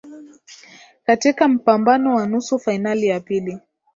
katika mpambano wa nusu fainali ya pili